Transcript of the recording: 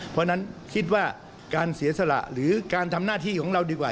เพราะฉะนั้นคิดว่าการเสียสละหรือการทำหน้าที่ของเราดีกว่า